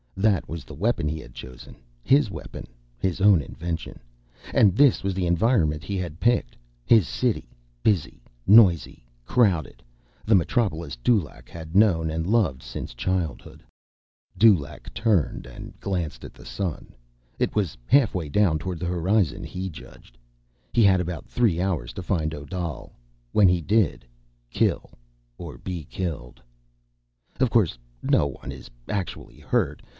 That was the weapon he had chosen, his weapon, his own invention. And this was the environment he had picked: his city, busy, noisy, crowded, the metropolis Dulaq had known and loved since childhood. Dulaq turned and glanced at the sun. It was halfway down toward the horizon, he judged. He had about three hours to find Odal. When he did—kill or be killed. _Of course no one is actually hurt.